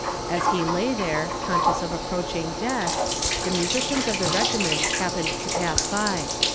As he lay there, conscious of approaching death, the musicians of the regiment happened to pass by.